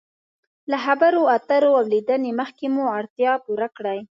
له خبرو اترو او لیدنې مخکې مو اړتیا پوره کړئ.